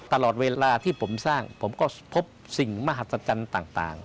ตลอดเวลาที่ผมสร้างผมก็พบสิ่งมหัศจรรย์ต่าง